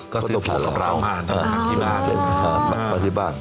ก็ต้องพาเราไปที่บ้าน